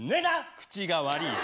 口が悪いよ。